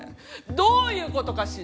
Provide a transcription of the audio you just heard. どういうことかしら。